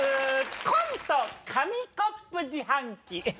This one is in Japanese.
コント、紙コップ自販機。